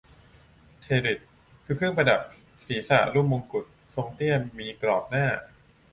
เทริด คือเครื่องประดับศรีษะรูปมงกุฎ ทรงเตี้ย มีกรอบหน้า